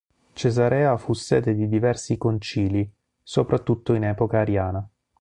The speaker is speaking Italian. Cesarea fu sede di diversi concili, soprattutto in epoca ariana.